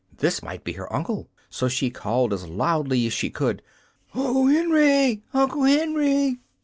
This might be her uncle, so she called as loudly as she could: "Uncle Henry! Uncle Henry!"